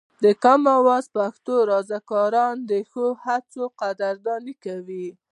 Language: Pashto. د کامن وایس پښتو رضاکاران د ښو هڅو قدرداني کوي.